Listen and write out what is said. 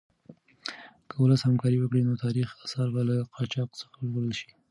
که ولس همکاري وکړي نو تاریخي اثار به له قاچاق څخه وژغورل شي.